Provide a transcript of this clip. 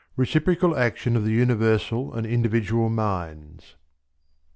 RECIPROCAL ACTION OF THE UNIVERSAL AND INDIVIDUAL MINDS.